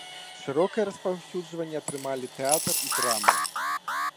Шырокае распаўсюджванне атрымалі тэатр і драма.